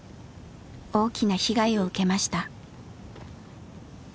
大きな被害を受けました。